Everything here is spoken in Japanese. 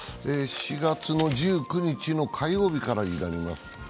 ４月１９日の火曜日からになります。